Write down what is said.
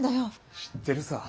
知ってるさ。